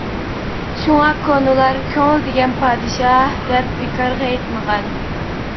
شۇڭا كونىلار كۆڭۈل دېگەن پادىشاھ، دەپ بىكارغا ئېيتمىغان.